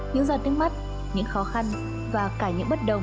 những giọt nước mắt những khó khăn và cả những bất đồng